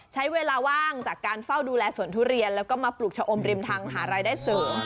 ใช้เวลาว่างจากการเฝ้าดูแลสวนทุเรียนแล้วก็มาปลูกชะอมริมทางหารายได้เสริม